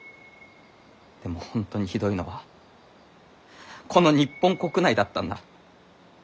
でも本当にひどいのはこの日本国内だったんだ。